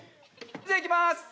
じゃあいきます！